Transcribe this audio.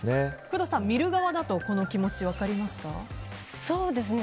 工藤さん、見る側だとこの気持ち、分かりますか？